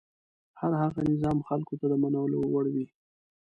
هر هغه نظام خلکو ته د منلو وړ وي.